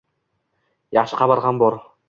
Yaxshi xabar ham bor